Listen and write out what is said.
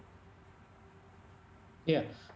apa tantangan bagi e commerce dalam memasarkan produk umkm